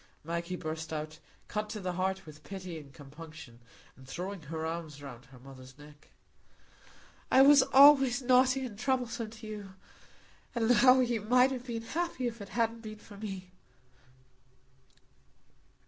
Maggie burst out, cut to the heart with pity and compunction, and throwing her arms round her mother's neck; "I was always naughty and troublesome to you. And now you might have been happy if it hadn't been for me."